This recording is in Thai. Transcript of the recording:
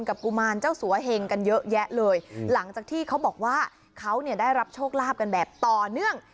กุมารเจ้าสัวเหงกันเยอะแยะเลยหลังจากที่เขาบอกว่าเขาเนี่ยได้รับโชคลาภกันแบบต่อเนื่อง